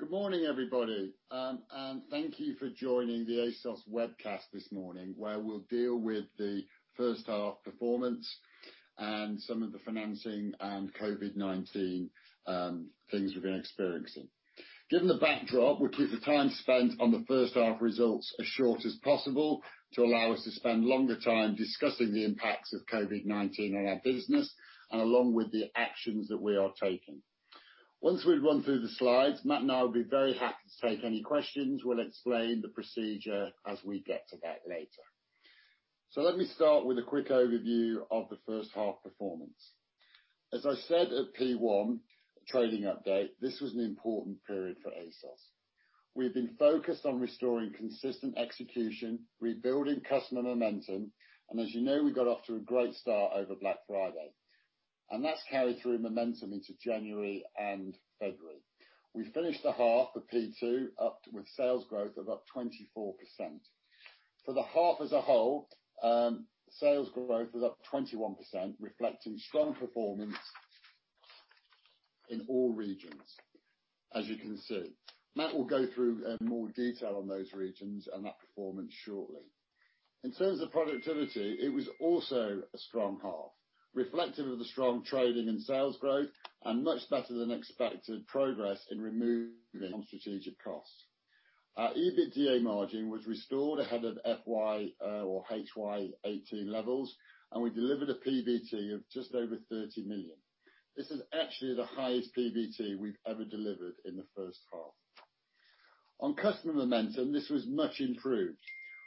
Good morning, everybody, thank you for joining the ASOS webcast this morning, where we'll deal with the first half performance and some of the financing and COVID-19 things we've been experiencing. Given the backdrop, we'll keep the time spent on the first half results as short as possible to allow us to spend longer time discussing the impacts of COVID-19 on our business and along with the actions that we are taking. Once we've run through the slides, Matt and I will be very happy to take any questions. We'll explain the procedure as we get to that later. Let me start with a quick overview of the first half performance. As I said at P1 trading update, this was an important period for ASOS. We've been focused on restoring consistent execution, rebuilding customer momentum, as you know, we got off to a great start over Black Friday. That's carried through momentum into January and February. We finished the half, the P2, up with sales growth of up 24%. For the half as a whole, sales growth was up 21%, reflecting strong performance in all regions, as you can see. Matt will go through in more detail on those regions and that performance shortly. In terms of productivity, it was also a strong half, reflective of the strong trading and sales growth and much better than expected progress in removing non-strategic costs. Our EBITDA margin was restored ahead of FY, or HY 2018 levels, and we delivered a PBT of just over 30 million. This is actually the highest PBT we've ever delivered in the first half. On customer momentum, this was much improved.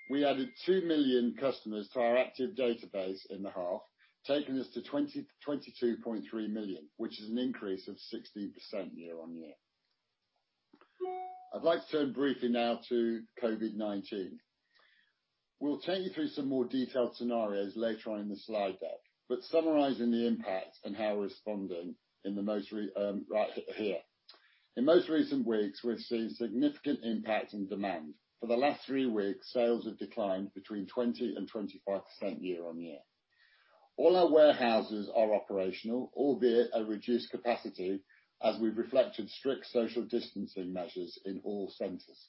We added 2 million customers to our active database in the half, taking us to 22.3 million, which is an increase of 16% year-on-year. I'd like to turn briefly now to COVID-19. We'll take you through some more detailed scenarios later on in the slide deck, but summarizing the impact and how we're responding right here. In most recent weeks, we've seen significant impact in demand. For the last three weeks, sales have declined between 20% and 25% year-on-year. All our warehouses are operational, albeit at reduced capacity, as we've reflected strict social distancing measures in all centers.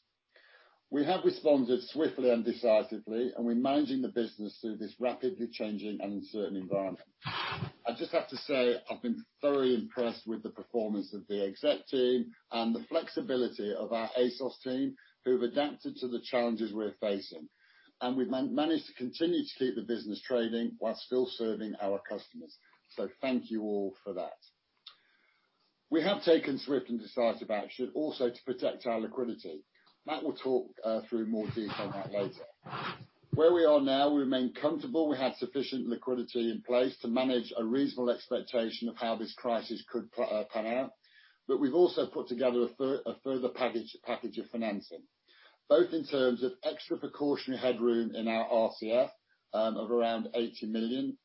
We have responded swiftly and decisively, and we're managing the business through this rapidly changing and uncertain environment. I just have to say, I've been thoroughly impressed with the performance of the exec team and the flexibility of our ASOS team, who've adapted to the challenges we're facing. We've managed to continue to keep the business trading while still serving our customers. Thank you all for that. We have taken swift and decisive action also to protect our liquidity. Matt will talk through more detail on that later. Where we are now, we remain comfortable we have sufficient liquidity in place to manage a reasonable expectation of how this crisis could pan out, but we've also put together a further package of financing, both in terms of extra precautionary headroom in our RCF, of around 80 million,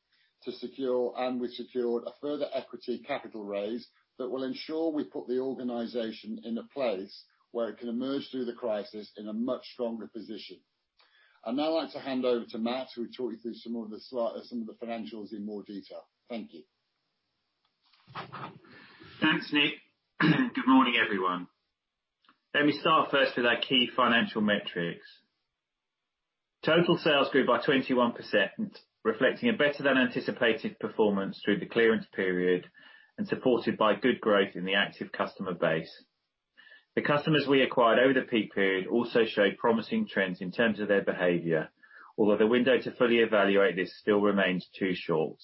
and we secured a further equity capital raise that will ensure we put the organization in a place where it can emerge through the crisis in a much stronger position. I'd now like to hand over to Matt, who will talk you through some of the financials in more detail. Thank you. Thanks, Nick. Good morning, everyone. Let me start first with our key financial metrics. Total sales grew by 21%, reflecting a better than anticipated performance through the clearance period and supported by good growth in the active customer base. The customers we acquired over the peak period also showed promising trends in terms of their behavior, although the window to fully evaluate this still remains too short.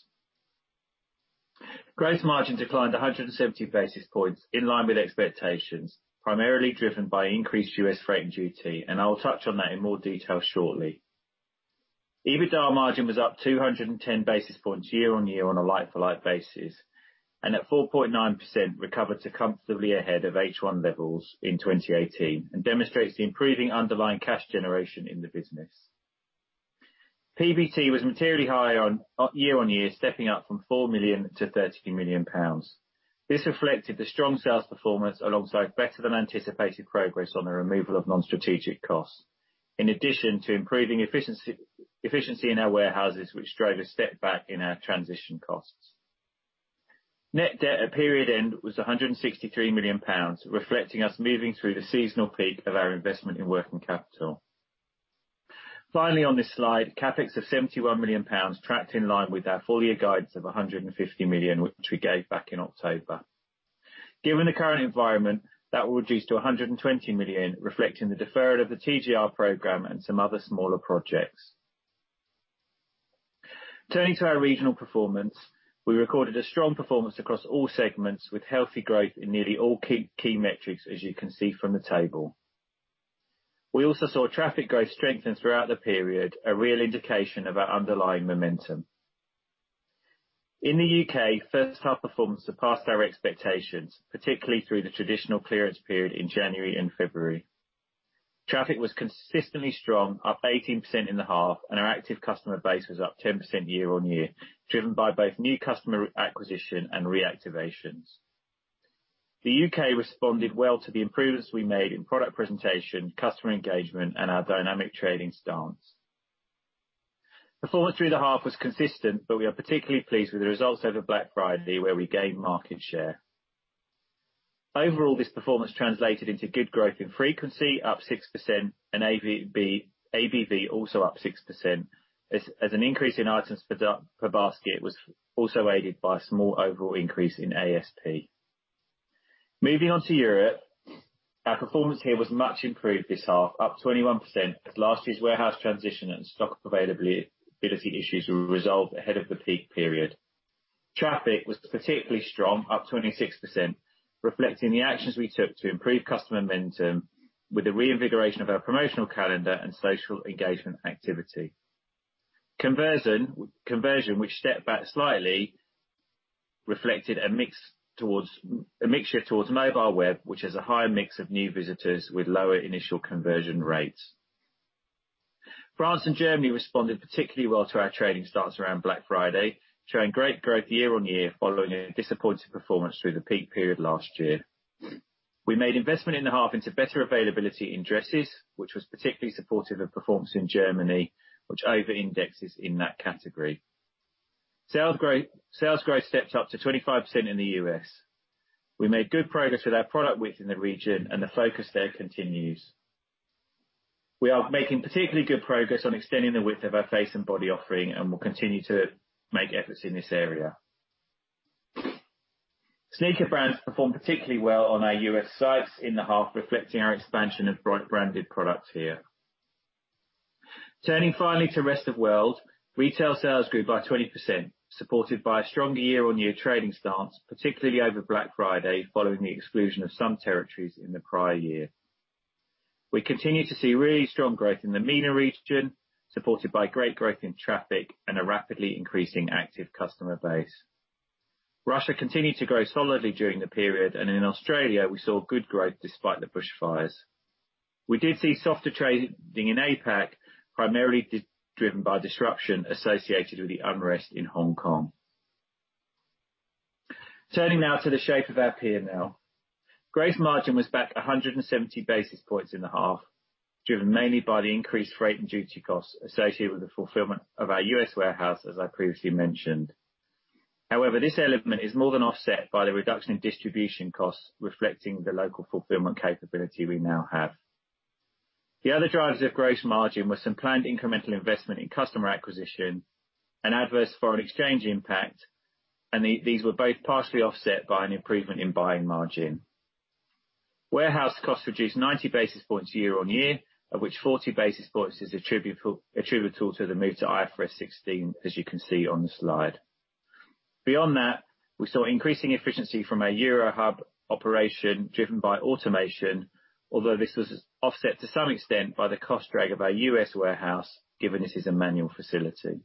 Gross margin declined 170 basis points, in line with expectations, primarily driven by increased U.S. freight and duty, and I will touch on that in more detail shortly. EBITDA margin was up 210 basis points year on year on a like for like basis, and at 4.9% recovered to comfortably ahead of H1 levels in 2018, and demonstrates the improving underlying cash generation in the business. PBT was materially high year-on-year, stepping up from 4 million-30 million pounds. This reflected the strong sales performance alongside better than anticipated progress on the removal of non-strategic costs. In addition to improving efficiency in our warehouses, which drove a step back in our transition costs. Net debt at period end was 163 million pounds, reflecting us moving through the seasonal peak of our investment in working capital. Finally, on this slide, CapEx of 71 million pounds tracked in line with our full year guidance of 150 million, which we gave back in October. Given the current environment, that will reduce to 120 million, reflecting the deferral of the TGR program and some other smaller projects. Turning to our regional performance, we recorded a strong performance across all segments, with healthy growth in nearly all key metrics, as you can see from the table. We also saw traffic growth strengthen throughout the period, a real indication of our underlying momentum. In the U.K., first half performance surpassed our expectations, particularly through the traditional clearance period in January and February. Traffic was consistently strong, up 18% in the half, and our active customer base was up 10% year-on-year, driven by both new customer acquisition and reactivations. The U.K. responded well to the improvements we made in product presentation, customer engagement, and our dynamic trading stance. Performance through the half was consistent, but we are particularly pleased with the results over Black Friday, where we gained market share. Overall, this performance translated into good growth in frequency, up 6%, and ABV also up 6%, as an increase in items per basket was also aided by a small overall increase in ASP. Moving on to Europe. Our performance here was much improved this half, up 21%, as last year's warehouse transition and stock availability issues were resolved ahead of the peak period. Traffic was particularly strong, up 26%, reflecting the actions we took to improve customer momentum with the reinvigoration of our promotional calendar and social engagement activity. Conversion, which stepped back slightly, reflected a mixture towards mobile web, which has a higher mix of new visitors with lower initial conversion rates. France and Germany responded particularly well to our trading starts around Black Friday, showing great growth year-over-year following a disappointing performance through the peak period last year. We made investment in the half into better availability in dresses, which was particularly supportive of performance in Germany, which over-indexes in that category. Sales growth stepped up to 25% in the U.S. We made good progress with our product width in the region, and the focus there continues. We are making particularly good progress on extending the width of our face and body offering and will continue to make efforts in this area. Sneaker brands performed particularly well on our U.S. sites in the half, reflecting our expansion of branded products here. Turning finally to rest of world, retail sales grew by 20%, supported by a strong year-on-year trading stance, particularly over Black Friday, following the exclusion of some territories in the prior year. We continue to see really strong growth in the MENA region, supported by great growth in traffic and a rapidly increasing active customer base. Russia continued to grow solidly during the period, and in Australia, we saw good growth despite the bushfires. We did see softer trading in APAC, primarily driven by disruption associated with the unrest in Hong Kong. Turning now to the shape of our P&L. Gross margin was back 170 basis points in the half, driven mainly by the increased freight and duty costs associated with the fulfillment of our U.S. warehouse, as I previously mentioned. This element is more than offset by the reduction in distribution costs reflecting the local fulfillment capability we now have. The other drivers of gross margin were some planned incremental investment in customer acquisition and adverse foreign exchange impact, these were both partially offset by an improvement in buying margin. Warehouse costs reduced 90 basis points year-on-year, of which 40 basis points is attributable to the move to IFRS 16, as you can see on the slide. Beyond that, we saw increasing efficiency from our Eurohub operation driven by automation, although this was offset to some extent by the cost drag of our U.S. warehouse, given this is a manual facility.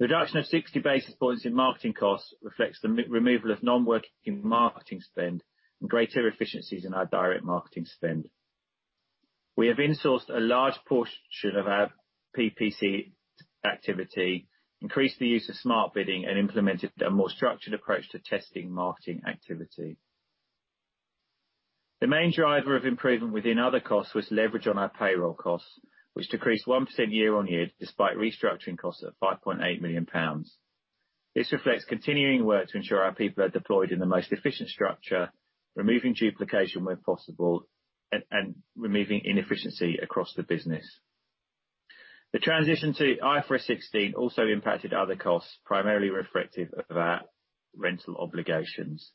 The reduction of 60 basis points in marketing costs reflects the removal of non-working marketing spend and greater efficiencies in our direct marketing spend. We have in-sourced a large portion of our PPC activity, increased the use of smart bidding, and implemented a more structured approach to testing marketing activity. The main driver of improvement within other costs was leverage on our payroll costs, which decreased 1% year-on-year, despite restructuring costs of 5.8 million pounds. This reflects continuing work to ensure our people are deployed in the most efficient structure, removing duplication where possible, and removing inefficiency across the business. The transition to IFRS 16 also impacted other costs, primarily reflective of our rental obligations.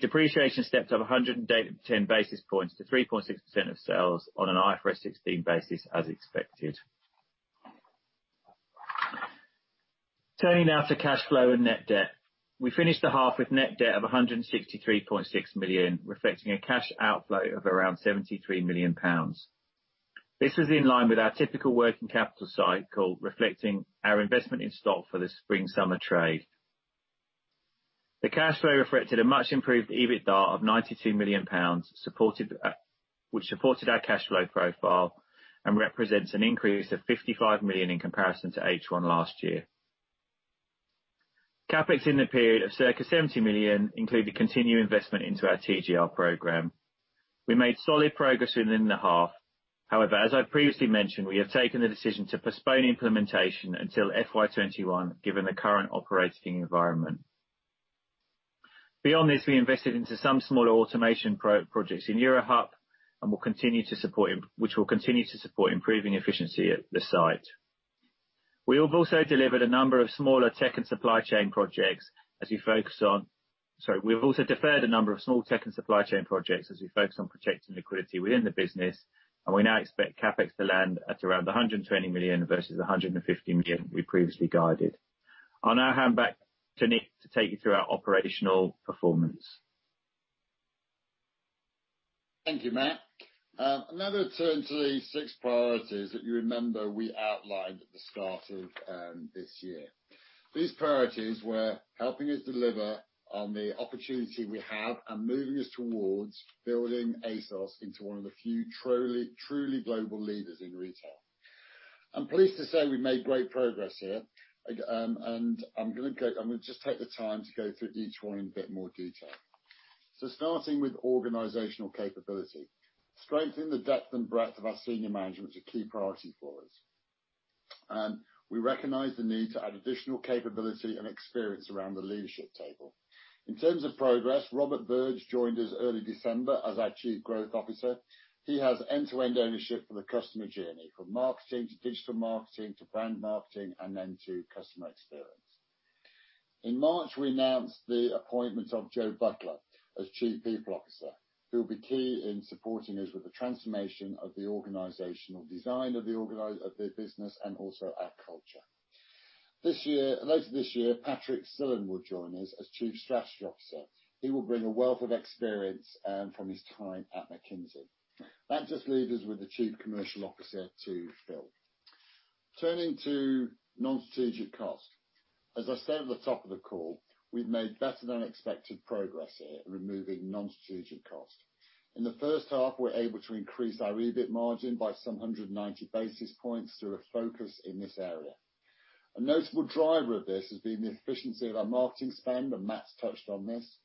Depreciation stepped up 110 basis points to 3.6% of sales on an IFRS 16 basis, as expected. Turning now to cash flow and net debt. We finished the half with net debt of 163.6 million, reflecting a cash outflow of around 73 million pounds. This was in line with our typical working capital cycle, reflecting our investment in stock for the spring/summer trade. The cash flow reflected a much improved EBITDA of 92 million pounds, which supported our cash flow profile and represents an increase of 55 million in comparison to H1 last year. CapEx in the period of circa 70 million include the continued investment into our TGR program. We made solid progress within the half. As I previously mentioned, we have taken the decision to postpone implementation until FY 2021, given the current operating environment. Beyond this, we invested into some smaller automation projects in Eurohub which will continue to support improving efficiency at the site. We've also deferred a number of small tech and supply chain projects as we focus on protecting liquidity within the business, and we now expect CapEx to land at around 120 million versus the 150 million we previously guided. I'll now hand back to Nick to take you through our operational performance. Thank you, Matt. Now we turn to the six priorities that you remember we outlined at the start of this year. These priorities were helping us deliver on the opportunity we have and moving us towards building ASOS into one of the few truly global leaders in retail. I'm pleased to say we made great progress here. I'm going to just take the time to go through each one in a bit more detail. Starting with organizational capability. Strengthening the depth and breadth of our senior management is a key priority for us. We recognize the need to add additional capability and experience around the leadership table. In terms of progress, Robert Birge joined us early December as our Chief Growth Officer. He has end-to-end ownership for the customer journey, from marketing to digital marketing, to brand marketing, and then to customer experience. In March, we announced the appointment of Jo Butler as Chief People Officer, who will be key in supporting us with the transformation of the organizational design of the business and also our culture. Later this year, Patrik Silén will join us as Chief Strategy Officer. He will bring a wealth of experience from his time at McKinsey. That just leaves us with the Chief Commercial Officer to fill. Turning to non-strategic cost. As I said at the top of the call, we've made better than expected progress here in removing non-strategic cost. In the first half, we were able to increase our EBIT margin by 790 basis points through a focus in this area. A notable driver of this has been the efficiency of our marketing spend. Matt's touched on this.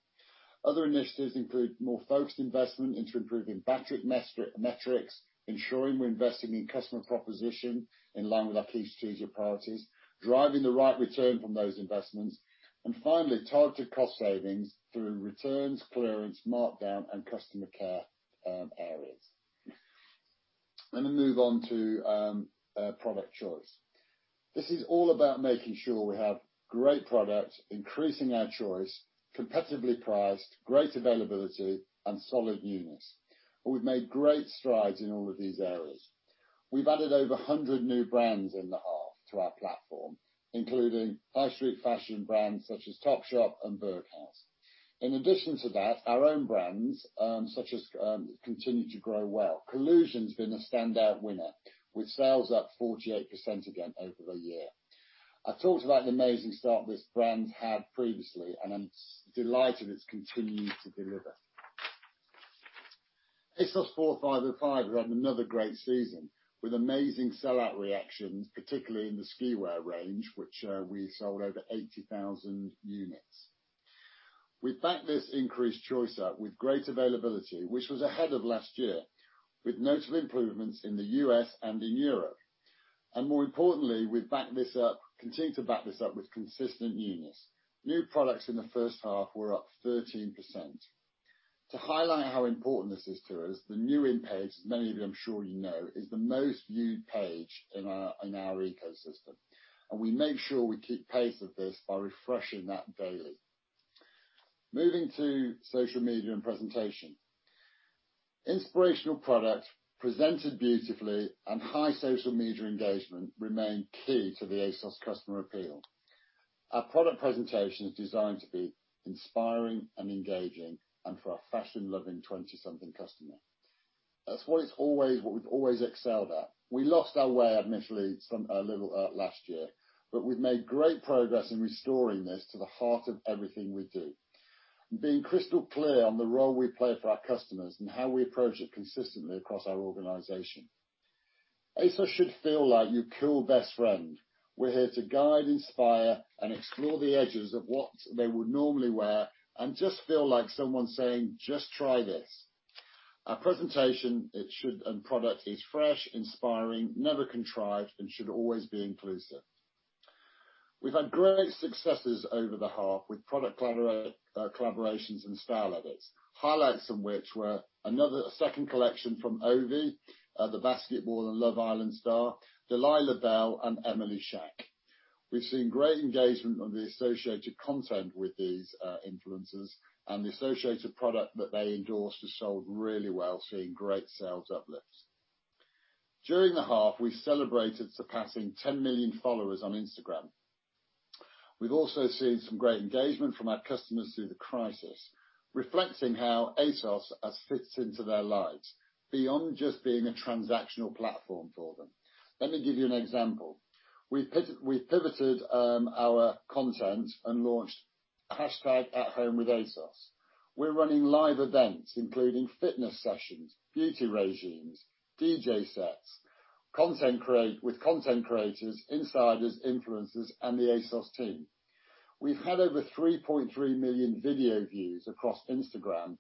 Other initiatives include more focused investment into improving metrics, ensuring we're investing in customer proposition in line with our key strategic priorities, driving the right return from those investments, finally, targeted cost savings through returns, clearance, markdown, and customer care areas. Let me move on to product choice. This is all about making sure we have great product, increasing our choice, competitively priced, great availability, and solid newness. We've made great strides in all of these areas. We've added over 100 new brands in the half to our platform, including High Street fashion brands such as Topshop and Berghaus. In addition to that, our own brands continue to grow well. Collusion's been a standout winner, with sales up 48% again over the year. I talked about the amazing start this brand had previously, I'm delighted it's continued to deliver. ASOS 4505 has had another great season, with amazing sell-out reactions, particularly in the ski wear range, which we sold over 80,000 units. We've backed this increased choice up with great availability, which was ahead of last year, with notable improvements in the U.S. and in Europe. More importantly, we've continued to back this up with consistent newness. New products in the first half were up 13%. To highlight how important this is to us, the new in page, as many of you I'm sure you know, is the most viewed page in our ecosystem, and we make sure we keep pace with this by refreshing that daily. Moving to social media and presentation. Inspirational product presented beautifully and high social media engagement remain key to the ASOS customer appeal. Our product presentation is designed to be inspiring and engaging, and for our fashion loving 20 something customer. That's what we've always excelled at. We lost our way, admittedly, a little last year, but we've made great progress in restoring this to the heart of everything we do. Being crystal clear on the role we play for our customers and how we approach it consistently across our organization. ASOS should feel like your cool best friend. We're here to guide, inspire, and explore the edges of what they would normally wear and just feel like someone saying, "Just try this." Our presentation and product is fresh, inspiring, never contrived, and should always be inclusive. We've had great successes over the half with product collaborations and style edits. Highlights of which were a second collection from Ovie, the basketball and Love Island star, Delilah Belle, and Emily Shak. We've seen great engagement on the associated content with these influencers, and the associated product that they endorsed has sold really well, seeing great sales uplifts. During the half, we celebrated surpassing 10 million followers on Instagram. We've also seen some great engagement from our customers through the crisis, reflecting how ASOS fits into their lives beyond just being a transactional platform for them. Let me give you an example. We've pivoted our content and launched hashtag at Home with ASOS. We're running live events, including fitness sessions, beauty regimes, DJ sets with content creators, insiders, influencers, and the ASOS team. We've had over 3.3 million video views across Instagram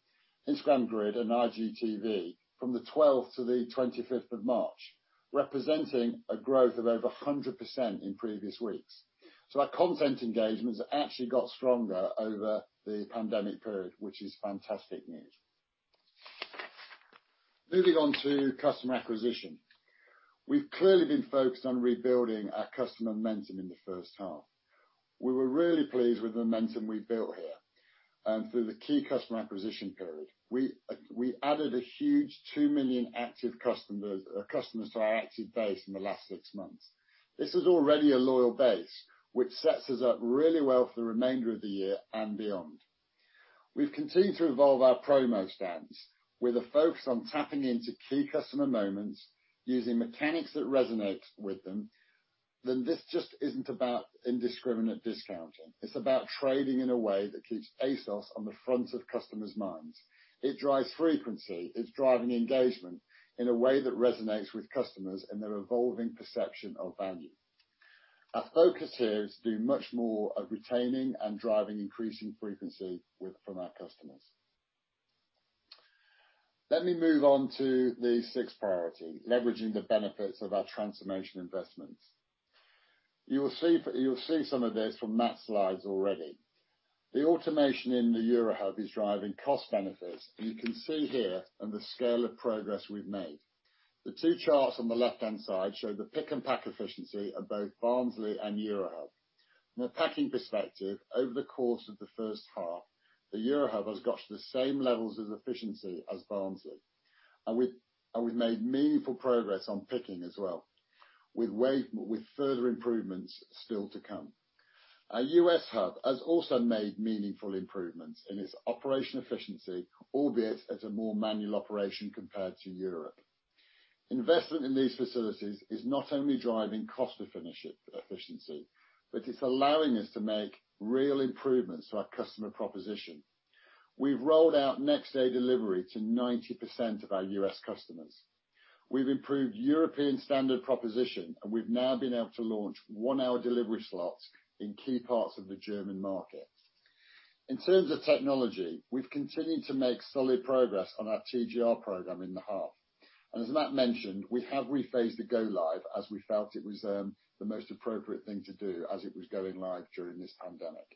Grid, and IGTV from the 12th to the 25th of March, representing a growth of over 100% in previous weeks. Our content engagements actually got stronger over the pandemic period, which is fantastic news. Moving on to customer acquisition. We've clearly been focused on rebuilding our customer momentum in the first half. We were really pleased with the momentum we built here. Through the key customer acquisition period, we added a huge 2 million active customers to our active base in the last six months. This is already a loyal base, which sets us up really well for the remainder of the year and beyond. We've continued to evolve our promo stance with a focus on tapping into key customer moments, using mechanics that resonate with them. This just isn't about indiscriminate discounting. It's about trading in a way that keeps ASOS on the front of customers' minds. It drives frequency. It's driving engagement in a way that resonates with customers and their evolving perception of value. Our focus here is to do much more of retaining and driving increasing frequency from our customers. Let me move on to the sixth priority, leveraging the benefits of our transformation investments. You will see some of this from Matt's slides already. The automation in the Eurohub is driving cost benefits, and you can see here on the scale of progress we've made. The two charts on the left-hand side show the pick and pack efficiency of both Barnsley and Eurohub. From a packing perspective, over the course of the first half, the Eurohub has got to the same levels of efficiency as Barnsley. We've made meaningful progress on picking as well, with further improvements still to come. Our U.S. hub has also made meaningful improvements in its operation efficiency, albeit as a more manual operation compared to Europe. Investment in these facilities is not only driving cost efficiency, but it's allowing us to make real improvements to our customer proposition. We've rolled out next-day delivery to 90% of our U.S. customers. We've improved European standard proposition, and we've now been able to launch one-hour delivery slots in key parts of the German market. In terms of technology, we've continued to make solid progress on our TGR program in the half. As Matt mentioned, we have rephased the go live as we felt it was the most appropriate thing to do as it was going live during this pandemic.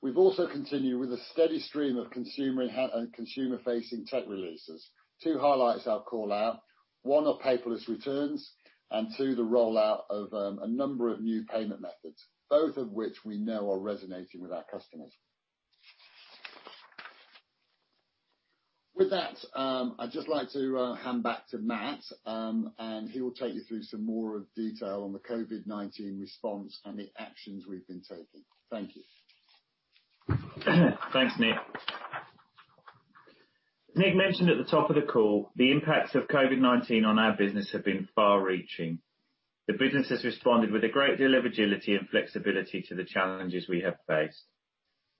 We've also continued with a steady stream of consumer-facing tech releases. Two highlights I'll call out. One are paperless returns, and two, the rollout of a number of new payment methods, both of which we know are resonating with our customers. With that, I'd just like to hand back to Matt, and he will take you through some more detail on the COVID-19 response and the actions we've been taking. Thank you. Thanks, Nick. Nick mentioned at the top of the call, the impacts of COVID-19 on our business have been far-reaching. The business has responded with a great deal of agility and flexibility to the challenges we have faced.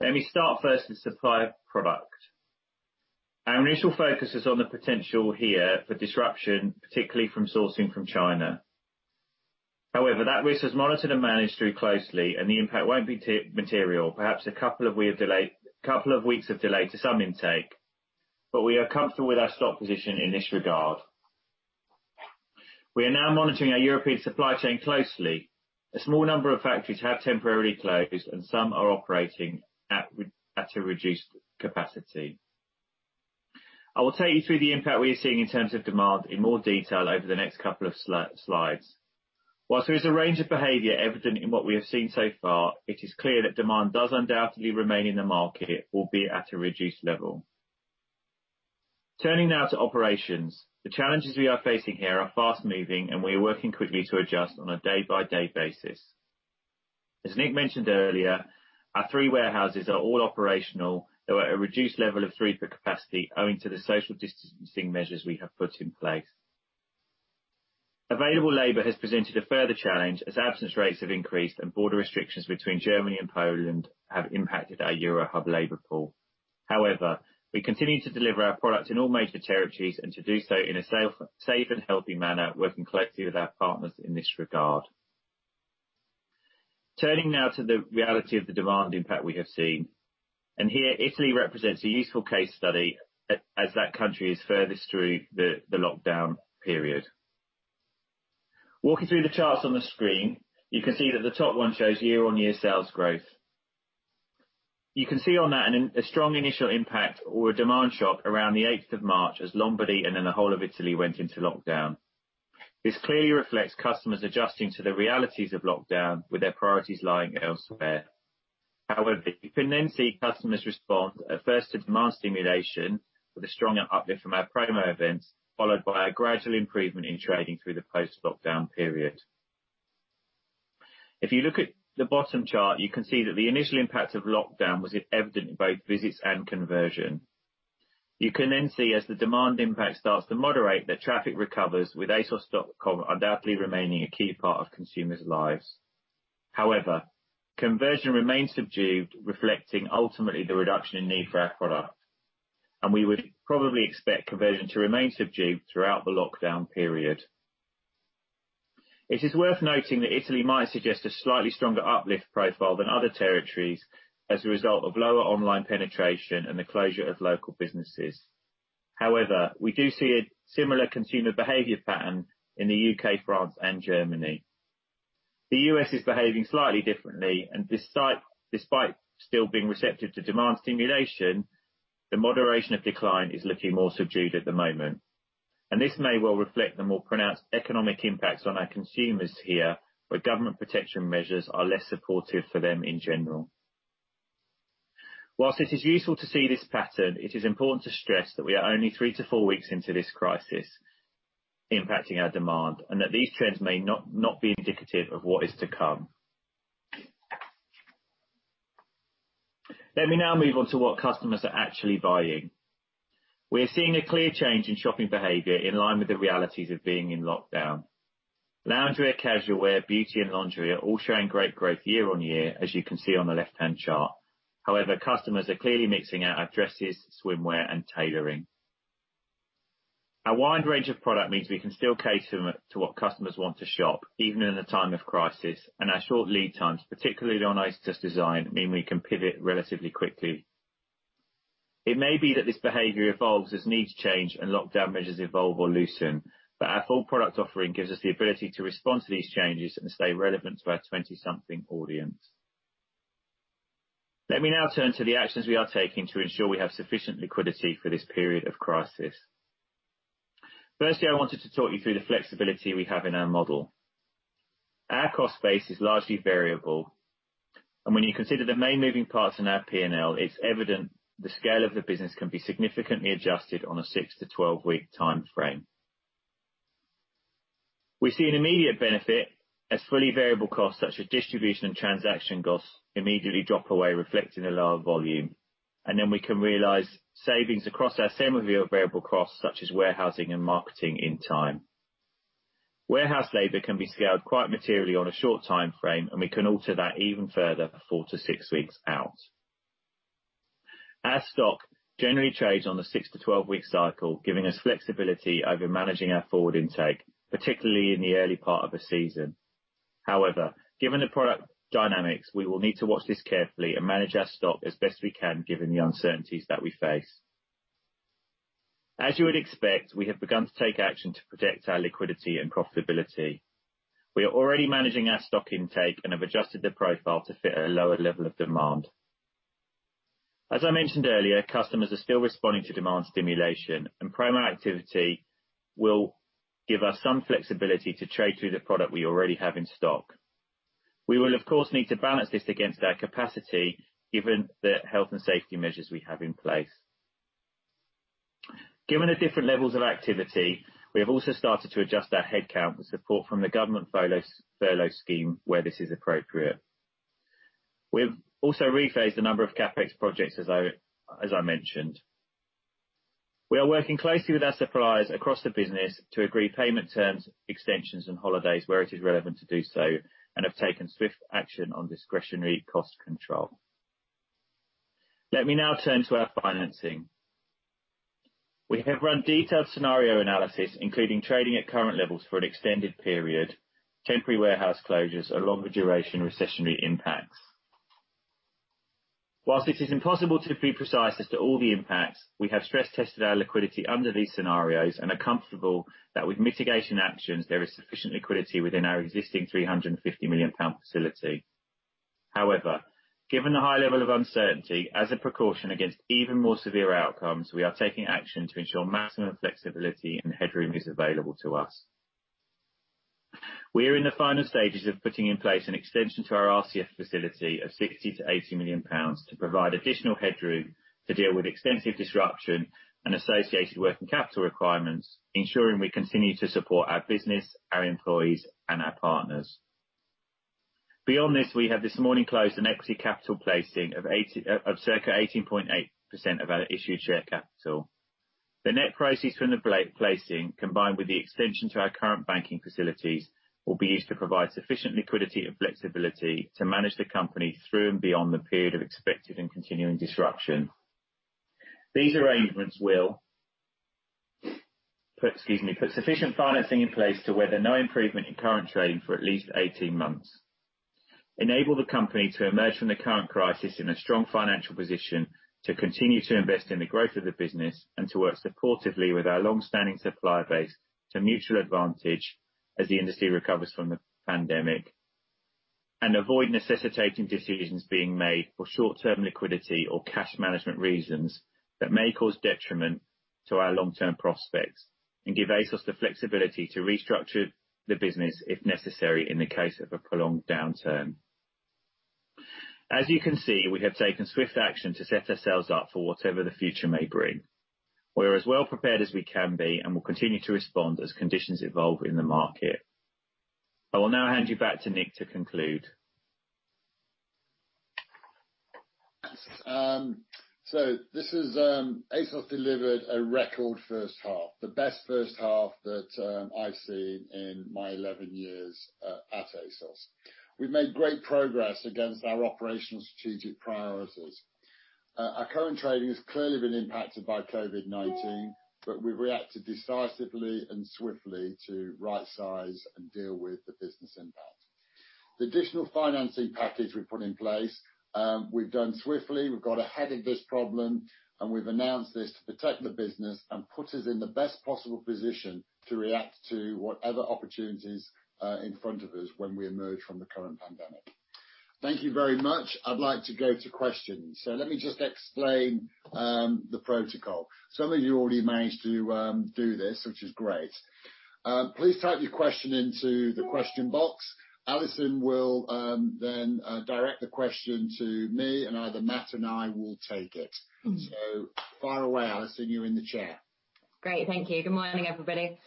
Let me start first with supply of product. Our initial focus is on the potential here for disruption, particularly from sourcing from China. That risk is monitored and managed through closely, and the impact won't be material. A couple of weeks of delay to some intake, but we are comfortable with our stock position in this regard. We are now monitoring our European supply chain closely. A small number of factories have temporarily closed, and some are operating at a reduced capacity. I will take you through the impact we are seeing in terms of demand in more detail over the next couple of slides. Whilst there is a range of behavior evident in what we have seen so far, it is clear that demand does undoubtedly remain in the market, albeit at a reduced level. Turning now to operations. The challenges we are facing here are fast moving, and we are working quickly to adjust on a day-by-day basis. As Nick mentioned earlier, our three warehouses are all operational, though at a reduced level of throughput capacity owing to the social distancing measures we have put in place. Available labor has presented a further challenge as absence rates have increased and border restrictions between Germany and Poland have impacted our Eurohub labor pool. However, we continue to deliver our product in all major territories and to do so in a safe and healthy manner, working collectively with our partners in this regard. Turning now to the reality of the demand impact we have seen. Here, Italy represents a useful case study as that country is furthest through the lockdown period. Walking through the charts on the screen, you can see that the top one shows year-on-year sales growth. You can see on that a strong initial impact or a demand shock around the eighth of March as Lombardy and then the whole of Italy went into lockdown. This clearly reflects customers adjusting to the realities of lockdown, with their priorities lying elsewhere. However, you can then see customers respond at first to demand stimulation with a stronger uplift from our promo events, followed by a gradual improvement in trading through the post-lockdown period. If you look at the bottom chart, you can see that the initial impact of lockdown was evident in both visits and conversion. You can see as the demand impact starts to moderate, that traffic recovers with asos.com undoubtedly remaining a key part of consumers' lives. Conversion remains subdued, reflecting ultimately the reduction in need for our product, and we would probably expect conversion to remain subdued throughout the lockdown period. It is worth noting that Italy might suggest a slightly stronger uplift profile than other territories as a result of lower online penetration and the closure of local businesses. We do see a similar consumer behavior pattern in the U.K., France, and Germany. The U.S. is behaving slightly differently, and despite still being receptive to demand stimulation, the moderation of decline is looking more subdued at the moment. This may well reflect the more pronounced economic impacts on our consumers here, where government protection measures are less supportive for them in general. Whilst it is useful to see this pattern, it is important to stress that we are only three to four weeks into this crisis impacting our demand, and that these trends may not be indicative of what is to come. Let me now move on to what customers are actually buying. We are seeing a clear change in shopping behavior in line with the realities of being in lockdown. Loungewear, casual wear, beauty, and lingerie are all showing great growth year-on-year, as you can see on the left-hand chart. However, customers are clearly mixing out our dresses, swimwear, and tailoring. Our wide range of product means we can still cater to what customers want to shop, even in a time of crisis. Our short lead times, particularly on ASOS Design, mean we can pivot relatively quickly. It may be that this behavior evolves as needs change and lockdown measures evolve or loosen, but our full product offering gives us the ability to respond to these changes and stay relevant to our 20-something audience. Let me now turn to the actions we are taking to ensure we have sufficient liquidity for this period of crisis. Firstly, I wanted to talk you through the flexibility we have in our model. Our cost base is largely variable, and when you consider the main moving parts in our P&L, it's evident the scale of the business can be significantly adjusted on a six to 12-week time frame. We see an immediate benefit as fully variable costs, such as distribution and transaction costs, immediately drop away, reflecting a lower volume. We can realize savings across our semi-variable costs, such as warehousing and marketing, in time. Warehouse labor can be scaled quite materially on a short time frame, and we can alter that even further four to six weeks out. Our stock generally trades on the six to 12-week cycle, giving us flexibility over managing our forward intake, particularly in the early part of a season. However, given the product dynamics, we will need to watch this carefully and manage our stock as best we can, given the uncertainties that we face. As you would expect, we have begun to take action to protect our liquidity and profitability. We are already managing our stock intake and have adjusted the profile to fit a lower level of demand. As I mentioned earlier, customers are still responding to demand stimulation, and promo activity will give us some flexibility to trade through the product we already have in stock. We will, of course, need to balance this against our capacity, given the health and safety measures we have in place. Given the different levels of activity, we have also started to adjust our headcount with support from the government furlough scheme where this is appropriate. We've also rephased a number of CapEx projects, as I mentioned. We are working closely with our suppliers across the business to agree payment terms, extensions, and holidays where it is relevant to do so, and have taken swift action on discretionary cost control. Let me now turn to our financing. We have run detailed scenario analysis, including trading at current levels for an extended period, temporary warehouse closures, or longer duration recessionary impacts. Whilst it is impossible to be precise as to all the impacts, we have stress tested our liquidity under these scenarios and are comfortable that with mitigation actions, there is sufficient liquidity within our existing 350 million pound facility. Given the high level of uncertainty, as a precaution against even more severe outcomes, we are taking action to ensure maximum flexibility and headroom is available to us. We are in the final stages of putting in place an extension to our RCF facility of 60 million-80 million pounds to provide additional headroom to deal with extensive disruption and associated working capital requirements, ensuring we continue to support our business, our employees, and our partners. Beyond this, we have this morning closed an equity capital placing of circa 18.8% of our issued share capital. The net proceeds from the placing, combined with the extension to our current banking facilities, will be used to provide sufficient liquidity and flexibility to manage the company through and beyond the period of expected and continuing disruption. These arrangements will put sufficient financing in place to weather no improvement in current trading for at least 18 months, enable the company to emerge from the current crisis in a strong financial position to continue to invest in the growth of the business and to work supportively with our longstanding supplier base to mutual advantage as the industry recovers from the pandemic, and avoid necessitating decisions being made for short-term liquidity or cash management reasons that may cause detriment to our long-term prospects and give ASOS the flexibility to restructure the business if necessary in the case of a prolonged downturn. As you can see, we have taken swift action to set ourselves up for whatever the future may bring. We are as well prepared as we can be and will continue to respond as conditions evolve in the market. I will now hand you back to Nick to conclude. ASOS delivered a record first half, the best first half that I've seen in my 11 years at ASOS. We've made great progress against our operational strategic priorities. Our current trading has clearly been impacted by COVID-19, but we've reacted decisively and swiftly to rightsize and deal with the business impact. The additional financing package we've put in place, we've done swiftly, we've got ahead of this problem, and we've announced this to protect the business and put us in the best possible position to react to whatever opportunities are in front of us when we emerge from the current pandemic. Thank you very much. I'd like to go to questions. Let me just explain the protocol. Some of you already managed to do this, which is great. Please type your question into the question box. Alison will direct the question to me, and either Matt and I will take it. Fire away, Alison, you're in the chair. Great. Thank you. Good morning, everybody.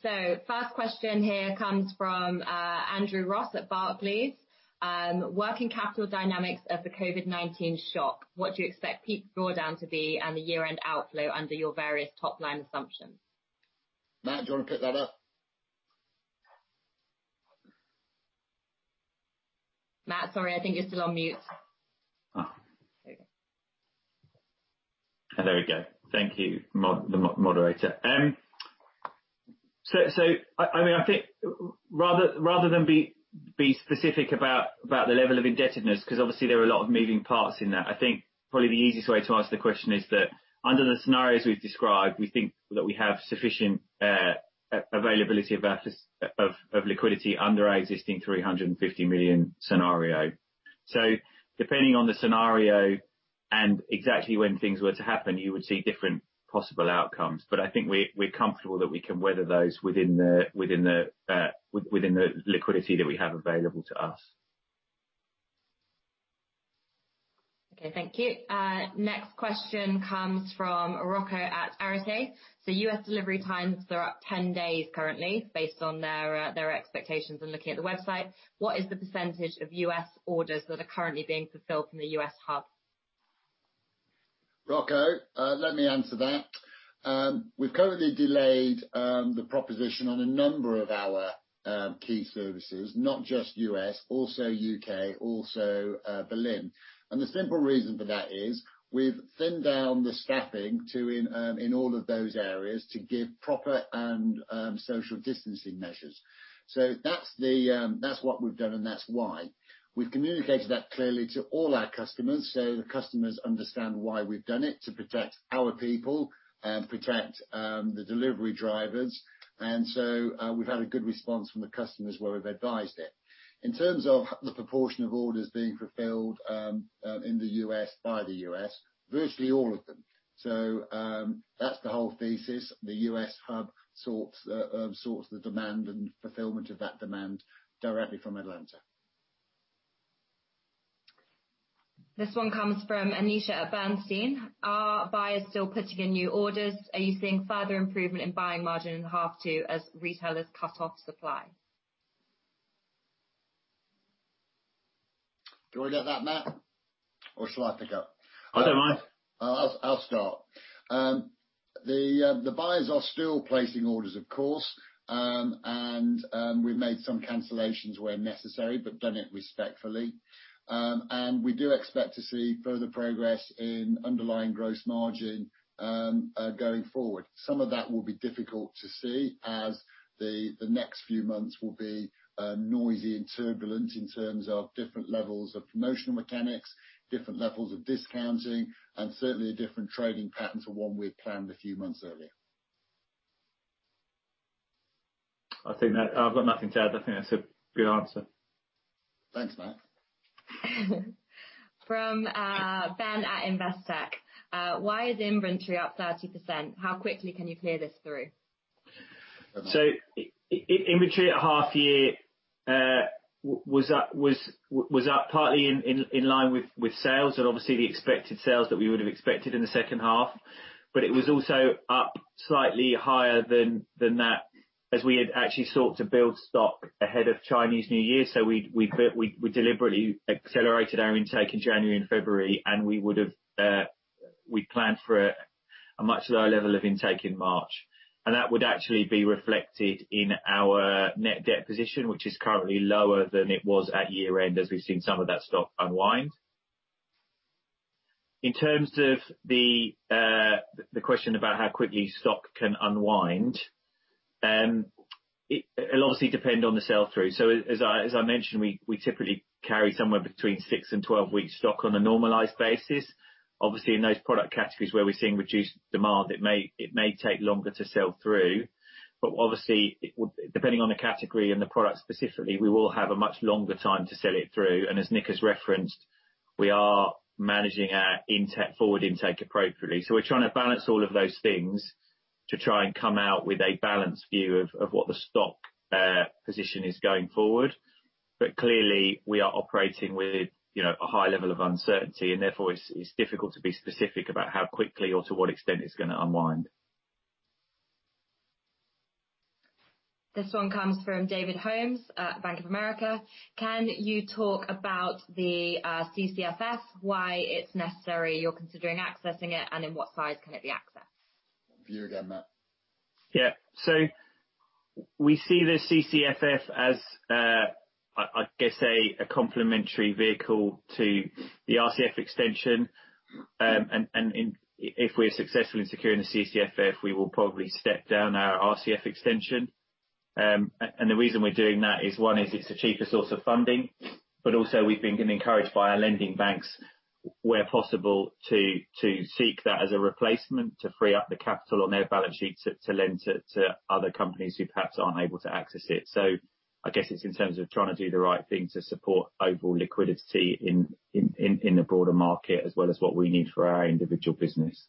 First question here comes from Andrew Ross at Barclays. Working capital dynamics of the COVID-19 shock, what do you expect peak drawdown to be and the year-end outflow under your various top-line assumptions? Matt, do you want to pick that up? Matt, sorry, I think you're still on mute. There you go. There we go. Thank you, the moderator. I think rather than be specific about the level of indebtedness, because obviously there are a lot of moving parts in that, I think probably the easiest way to answer the question is that under the scenarios we've described, we think that we have sufficient availability of liquidity under our existing 350 million scenario. Depending on the scenario and exactly when things were to happen, you would see different possible outcomes. I think we're comfortable that we can weather those within the liquidity that we have available to us. Okay, thank you. Next question comes from Rocco at Arete. U.S. delivery times are up 10 days currently, based on their expectations and looking at the website. What is the % of U.S. orders that are currently being fulfilled from the U.S. hub? Rocco, let me answer that. We've currently delayed the proposition on a number of our key services, not just U.S., also U.K., also Berlin. The simple reason for that is we've thinned down the staffing in all of those areas to give proper and social distancing measures. That's what we've done, and that's why. We've communicated that clearly to all our customers, so the customers understand why we've done it, to protect our people and protect the delivery drivers. We've had a good response from the customers where we've advised it. In terms of the proportion of orders being fulfilled in the U.S. by the U.S., virtually all of them. That's the whole thesis. The U.S. hub sorts the demand and fulfillment of that demand directly from Atlanta. This one comes from Anisha at Bernstein. Are buyers still putting in new orders? Are you seeing further improvement in buying margin in the half two as retailers cut off supply? Do you want to get that, Matt, or shall I take it? I don't mind. I'll start. The buyers are still placing orders, of course. We've made some cancellations where necessary, but done it respectfully. We do expect to see further progress in underlying gross margin going forward. Some of that will be difficult to see as the next few months will be noisy and turbulent in terms of different levels of promotional mechanics, different levels of discounting, and certainly different trading patterns from one we'd planned a few months earlier. I've got nothing to add. I think that's a good answer. Thanks, Matt. From Ben at Investec. Why is inventory up 30%? How quickly can you clear this through? Inventory at half year was up partly in line with sales, and obviously the expected sales that we would have expected in the second half. It was also up slightly higher than that as we had actually sought to build stock ahead of Chinese New Year. We deliberately accelerated our intake in January and February, and we planned for a much lower level of intake in March. That would actually be reflected in our net debt position, which is currently lower than it was at year-end, as we've seen some of that stock unwind. In terms of the question about how quickly stock can unwind, it'll obviously depend on the sell-through. As I mentioned, we typically carry somewhere between six and 12 weeks stock on a normalized basis. Obviously, in those product categories where we're seeing reduced demand, it may take longer to sell through. Obviously, depending on the category and the product specifically, we will have a much longer time to sell it through. As Nick has referenced, we are managing our forward intake appropriately. We're trying to balance all of those things to try and come out with a balanced view of what the stock position is going forward. Clearly, we are operating with a high level of uncertainty, and therefore it's difficult to be specific about how quickly or to what extent it's going to unwind. This one comes from David Holmes at Bank of America. Can you talk about the CCFF, why it's necessary you're considering accessing it, and in what size can it be accessed? For you again, Matt. Yeah. We see the CCFF as, I guess a complementary vehicle to the RCF extension, and if we're successful in securing the CCFF, we will probably step down our RCF extension. The reason we're doing that is one, is it's a cheaper source of funding, but also we've been encouraged by our lending banks where possible to seek that as a replacement to free up the capital on their balance sheet to lend to other companies who perhaps aren't able to access it. I guess it's in terms of trying to do the right thing to support overall liquidity in the broader market as well as what we need for our individual business.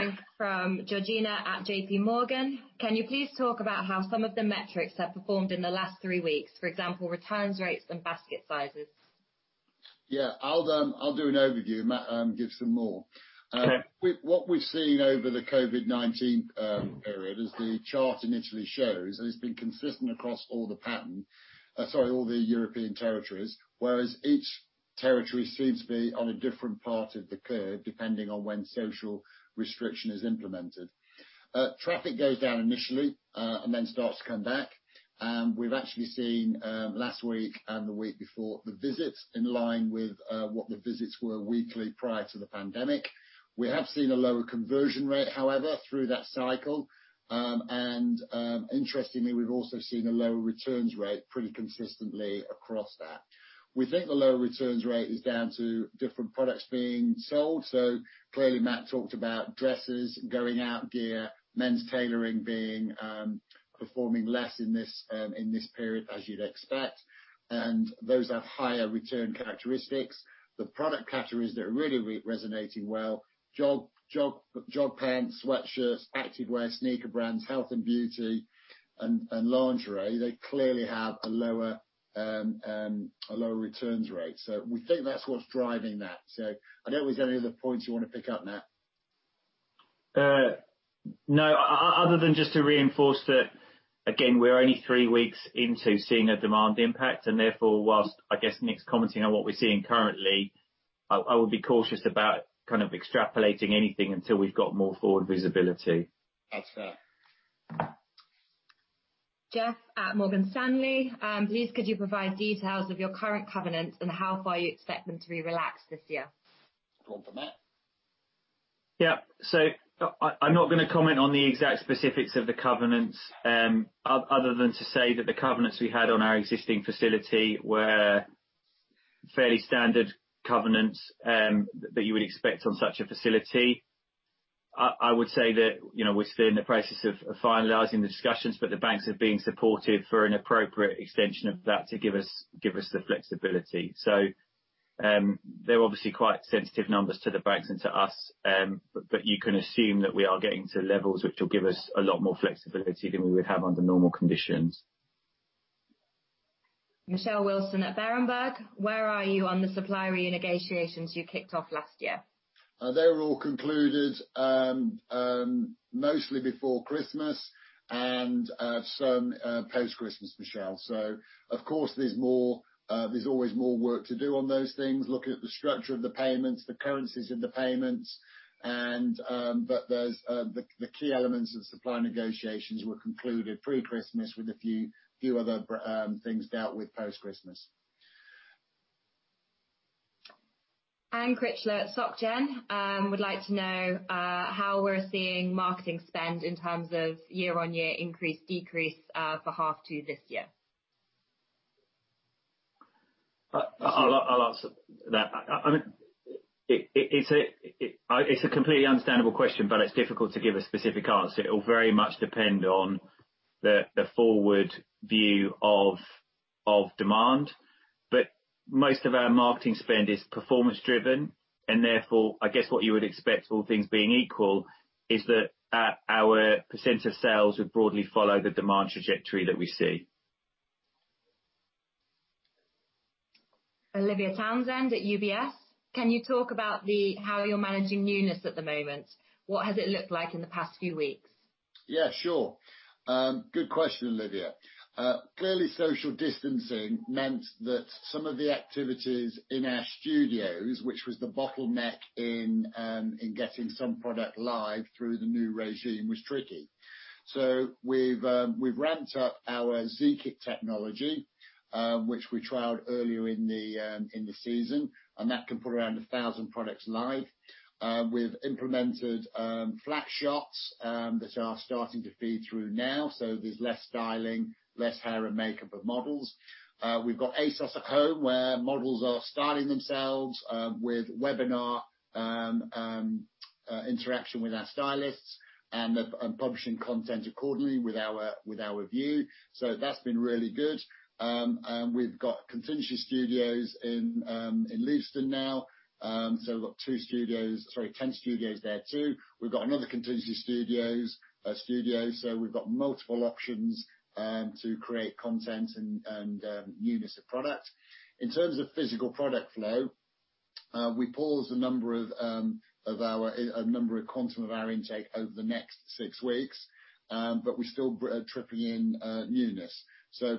Next one from Georgina at JPMorgan. Can you please talk about how some of the metrics have performed in the last three weeks? For example, returns rates and basket sizes. Yeah, I'll do an overview. Matt will give some more. Okay. What we've seen over the COVID-19 period, as the chart initially shows, and it's been consistent across all the European territories, whereas each territory seems to be on a different part of the curve depending on when social restriction is implemented. Traffic goes down initially, and then starts to come back. We've actually seen last week and the week before the visits in line with what the visits were weekly prior to the pandemic. We have seen a lower conversion rate, however, through that cycle. Interestingly, we've also seen a lower returns rate pretty consistently across that. We think the lower returns rate is down to different products being sold. Clearly Matt talked about dresses, going out gear, men's tailoring performing less in this period as you'd expect. Those have higher return characteristics. The product categories that are really resonating well, jog pants, sweatshirts, active wear, sneaker brands, health and beauty, and lingerie, they clearly have a lower returns rate. We think that's what's driving that. I don't know if there's any other points you want to pick up, Matt. No, other than just to reinforce that, again, we're only three weeks into seeing a demand impact and therefore whilst, I guess Nick's commenting on what we're seeing currently, I would be cautious about extrapolating anything until we've got more forward visibility. That's fair. Jeff at Morgan Stanley. Please could you provide details of your current covenants and how far you expect them to be relaxed this year? One for Matt. Yeah. I'm not going to comment on the exact specifics of the covenants, other than to say that the covenants we had on our existing facility were fairly standard covenants that you would expect on such a facility. I would say that we're still in the process of finalizing the discussions, but the banks have been supportive for an appropriate extension of that to give us the flexibility. They're obviously quite sensitive numbers to the banks and to us, but you can assume that we are getting to levels which will give us a lot more flexibility than we would have under normal conditions. Michelle Wilson at Berenberg. Where are you on the supplier renegotiations you kicked off last year? They were all concluded mostly before Christmas and some post-Christmas, Michelle. Of course there's always more work to do on those things. Looking at the structure of the payments, the currencies of the payments, the key elements of the supplier negotiations were concluded pre-Christmas with a few other things dealt with post-Christmas. Anne Critchlow at Societe Generale would like to know how we're seeing marketing spend in terms of year-on-year increase, decrease, for half two this year. I'll answer that. It's a completely understandable question, but it's difficult to give a specific answer. It'll very much depend on the forward view of demand. Most of our marketing spend is performance driven and therefore, I guess what you would expect all things being equal, is that our percent of sales would broadly follow the demand trajectory that we see. Olivia Townsend at UBS. Can you talk about how you're managing newness at the moment? What has it looked like in the past few weeks? Yeah, sure. Good question, Olivia. Clearly social distancing meant that some of the activities in our studios, which was the bottleneck in getting some product live through the new regime, was tricky. We've ramped up our Zeekit technology, which we trialed earlier in the season, and that can put around 1,000 products live. We've implemented flat shots that are starting to feed through now, so there's less styling, less hair and makeup of models. We've got ASOS At Home, where models are styling themselves with webinar interaction with our stylists, and publishing content accordingly with our view. That's been really good. We've got contingency studios in Leeds now. We've got 10 studios there too. We've got another contingency studio, so we've got multiple options to create content and newness of product. In terms of physical product flow, we paused a number of quantum of our intake over the next six weeks. We're still tripling in newness.